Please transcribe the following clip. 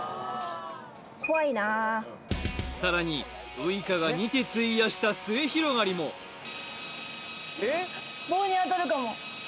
さらにウイカが二手費やした末広がりも棒に当たるかもあ